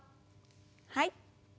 はい。